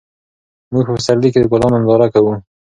موږ په پسرلي کې د ګلانو ننداره کوو.